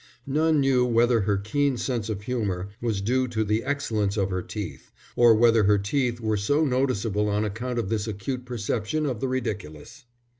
None knew whether her keen sense of humour was due to the excellence of her teeth, or whether her teeth were so noticeable on account of this acute perception of the ridiculous.